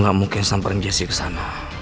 gue gak mungkin samperin jessy ke sana